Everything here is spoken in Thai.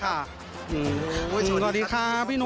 กลัวดีครับพี่นุก